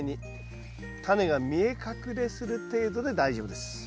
タネが見え隠れする程度で大丈夫です。